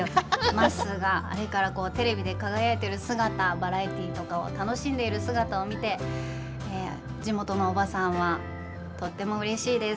まっすーが、あれからテレビで輝いてる姿、バラエティーとかを楽しんでる姿を見て地元のおばさんはとってもうれしいです。